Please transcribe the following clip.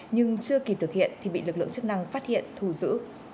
nhưng chưa kịp thực hiện thì bị lực lượng chức năng phát hiện thu giữ